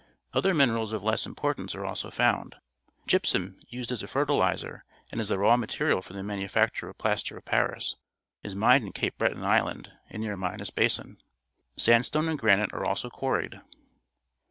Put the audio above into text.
Other minerals of less importance are also found. Gypsum , used as a fertilizer and as the raw material for the manufacture of plaster of PariSj, is mined in Cape Breton Island an^ near Minas Basin. Sandstone andjjraniie are also quarried.